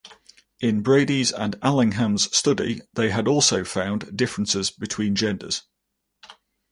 In Brady's and Allingham's study, they had also found differences between genders.